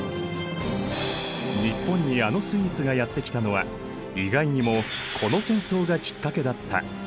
日本にあのスイーツがやって来たのは意外にもこの戦争がきっかけだった。